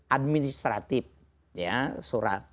administratif ya surat